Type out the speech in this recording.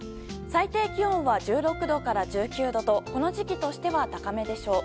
最低気温は１６度から１９度とこの時期としては高めでしょう。